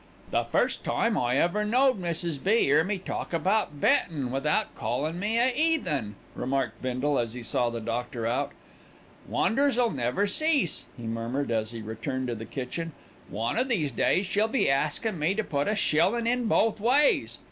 "The first time I ever knowed Mrs. B. 'ear me talk about bettin' without callin' me a 'eathen," remarked Bindle, as he saw the doctor out. "Wonders'll never cease," he murmured, as he returned to the kitchen. "One o' these days she'll be askin' me to put a shillin' on both ways.